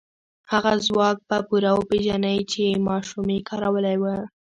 هغه ځواک به پوره وپېژنئ چې ماشومې کارولی و.